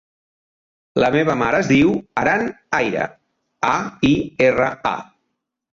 La meva mare es diu Aran Aira: a, i, erra, a.